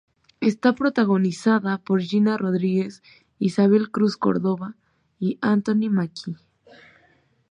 Está protagonizada por Gina Rodríguez, Ismael Cruz Córdova y Anthony Mackie.